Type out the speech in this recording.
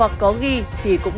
nấm của mình